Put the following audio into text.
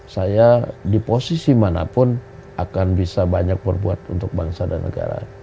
saya di posisi manapun akan bisa banyak berbuat untuk bangsa dan negara